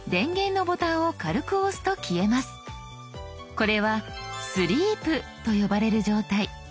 これは「スリープ」と呼ばれる状態。